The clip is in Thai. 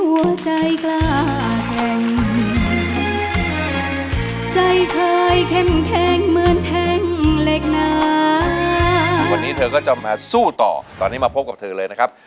วันนี้เธอก็จะมาสู้ต่อตอนนี้มาพบกับเธอเลยนะครับ